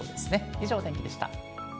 以上、お天気でした。